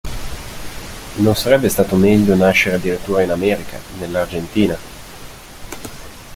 Non sarebbe stato meglio nascere addirittura in America, nell'Argentina?